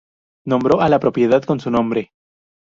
Nombró a la propiedad con su nombre.